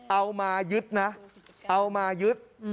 เอามายึดนะเอามายึด